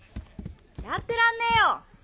やってらんねえよ